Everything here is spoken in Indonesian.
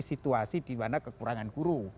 situasi di mana kekurangan guru